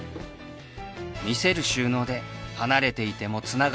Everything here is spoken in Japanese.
見せる収納で離れていてもつながっている